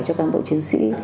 cho cán bộ chiến sĩ